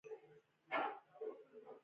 د ننګرهار په هسکه مینه کې د ګچ نښې شته.